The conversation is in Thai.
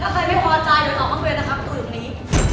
แล้วใครไม่พอใจอยู่หลังของเรียนนะครับตัวอยู่ตรงนี้